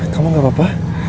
kamu gak apa apa